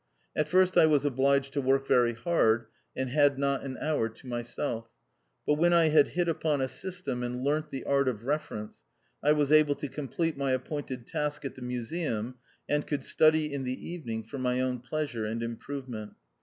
At first I was obliged to work very hard, and had not an hour to myself ; but when I had hit upon a system, and learnt the art of reference, I was able to complete my appointed task at the Museum, and could study in the evening for my own pleasure and improvement.